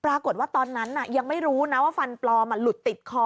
ตอนนั้นยังไม่รู้นะว่าฟันปลอมหลุดติดคอ